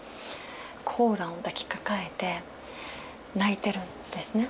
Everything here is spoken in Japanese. コーランを抱きかかえて泣いてるんですね。